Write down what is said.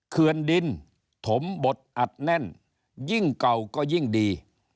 เขื่อนดินถมบทอัดแน่นยิ่งเก่าก็ยิ่งดี